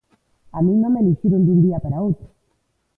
A min non me elixiron dun día para outro.